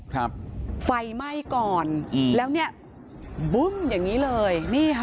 ฟันไหม้ก่อนแล้วแบบนี้เลย